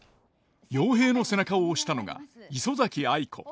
陽平の背中を押したのが磯崎藍子。